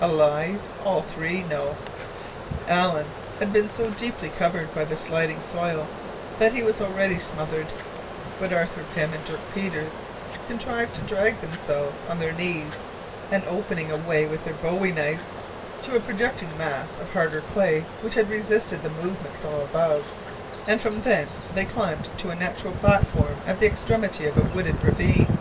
Alive all three? No! Allen had been so deeply covered by the sliding soil that he was already smothered, but Arthur Pym and Dirk Peters contrived to drag themselves on their knees, and opening a way with their bowie knives, to a projecting mass of harder clay, which had resisted the movement from above, and from thence they climbed to a natural platform at the extremity of a wooded ravine.